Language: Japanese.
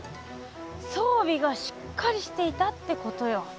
そうびがしっかりしていたってことよ。